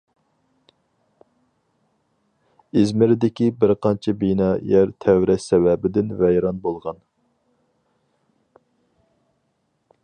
ئىزمىردىكى بىر قانچە بىنا يەر تەۋرەش سەۋەبىدىن ۋەيران بولغان.